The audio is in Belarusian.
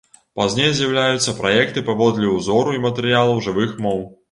Пазней з'яўляюцца праекты паводле ўзору і матэрыялаў жывых моў.